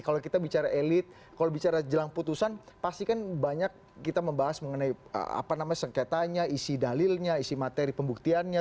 kalau kita bicara elit kalau bicara jelang putusan pasti kan banyak kita membahas mengenai apa namanya sengketanya isi dalilnya isi materi pembuktiannya